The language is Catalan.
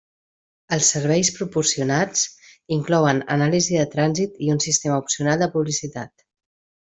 Els serveis proporcionats inclouen anàlisi de trànsit i un sistema opcional de publicitat.